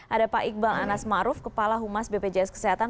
ada pak iqbal anas maruf kepala humas bpjs kesehatan